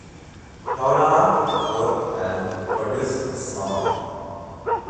Dolla wrote and produced the song.